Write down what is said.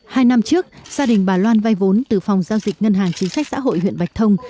hai năm trước gia đình bà loan vay vốn từ phòng giao dịch ngân hàng chính sách xã hội huyện bạch thông